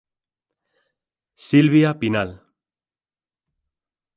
Silvia Pinal.